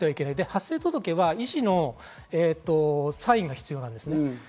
発生届は医師のサインが必要です。